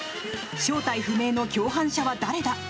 正体不明の共犯者は誰だ。